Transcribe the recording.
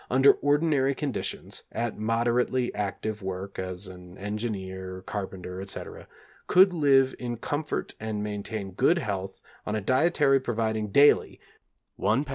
under ordinary conditions, at moderately active work, as an engineer, carpenter, etc., could live in comfort and maintain good health on a dietary providing daily 1 lb.